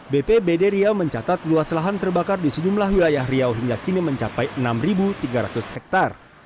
bpbd riau mencatat luas lahan terbakar di sejumlah wilayah riau hingga kini mencapai enam tiga ratus hektare